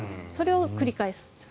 それを繰り返す。